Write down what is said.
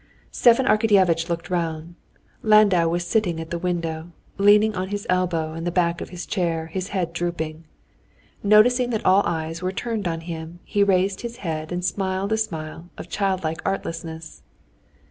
Stepan Arkadyevitch looked round. Landau was sitting at the window, leaning on his elbow and the back of his chair, his head drooping. Noticing that all eyes were turned on him he raised his head and smiled a smile of childlike artlessness.